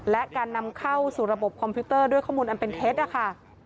และการนำเข้าสู่ระบบคอมพิวเตอร์ด้วยข้อมูลอันเป็นเท็จนะคะ